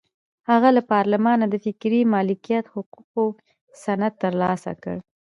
هغه له پارلمانه د فکري مالکیت حقوقو سند ترلاسه کړ.